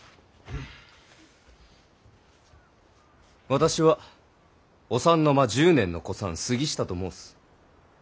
私はお三の間１０年の古参杉下と申す。